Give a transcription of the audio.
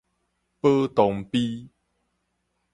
保同陂